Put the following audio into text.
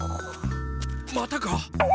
またか？